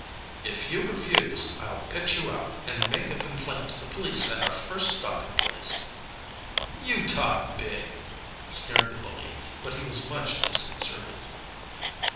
"If you refuse, I'll pitch you out, and make a complaint to the police at our first stopping place." "You talk big!" sneered the bully, but he was much disconcerted.